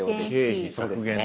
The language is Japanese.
経費削減だ。